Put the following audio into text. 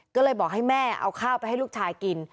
ก็เลยบอกให้แม่เอาข้าวไปให้ลูกชายกิน